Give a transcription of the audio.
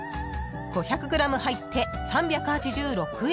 ［５００ｇ入って３８６円］